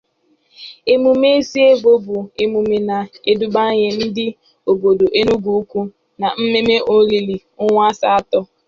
Emume Isu Evo bụ emume na-edubanye ndị obodo Enugwu-ukwu na mmemme Olili Ọnwa Asatọ